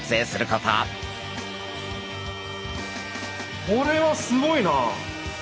これはすごいな！